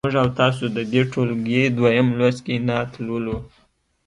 موږ او تاسو د دې ټولګي دویم لوست کې نعت لولو.